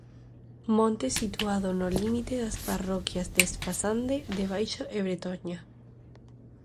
Monte situado no límite das parroquias de Espasande de Baixo e Bretoña.